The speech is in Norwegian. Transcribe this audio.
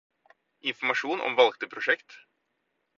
Informasjon om valgte prosjekt.